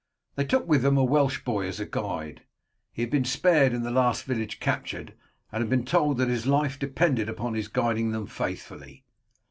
They took with them a Welsh boy as a guide. He had been spared in the last village captured, and had been told that his life depended upon his guiding them faithfully.